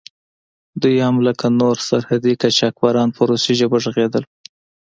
دوی هم لکه نور سرحدي قاچاقبران په روسي ژبه غږېدل.